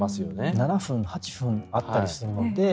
７分、８分あったりするので。